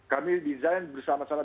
kami desain bersama sama